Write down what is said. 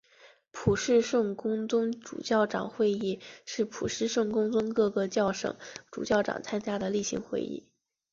普世圣公宗主教长会议是普世圣公宗各个教省主教长参加的例行会议。